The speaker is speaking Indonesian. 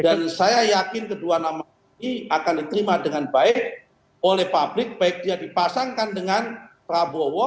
dan saya yakin kedua nama ini akan diterima dengan baik oleh publik baik dia dipasangkan dengan prabowo